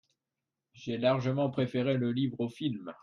J’ai largement préféré le livre au film.